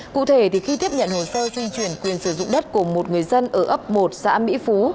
cụ thể khi tiếp nhận hồ sơ di chuyển quyền sử dụng đất của một người dân ở ấp một xã mỹ phú